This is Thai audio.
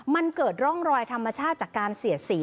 มันเกิดร่องรอยธรรมชาติจากการเสียดสี